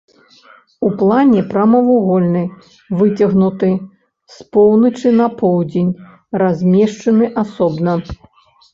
У плане прамавугольны, выцягнуты з поўначы на поўдзень, размешчаны асобна.